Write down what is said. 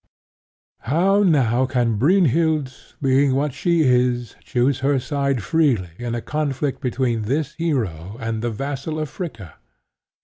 How now can Brynhild, being what she is, choose her side freely in a conflict between this hero and the vassal of Fricka?